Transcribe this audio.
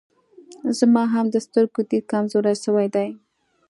زما هم د سترګو ديد کمزوری سوی دی